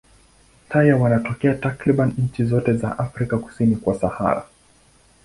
Taya wanatokea takriban nchi zote za Afrika kusini kwa Sahara.